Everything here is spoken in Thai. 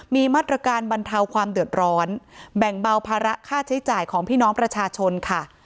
มีมาตรการบรรเทาความเดือดร้อนแบ่งเบาภาระค่าใช้จ่ายของพี่น้องประชาชนค่ะ